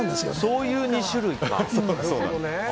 そういう２種類か。